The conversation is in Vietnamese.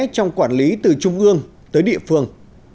trong quản lý từ trung ương tới địa phương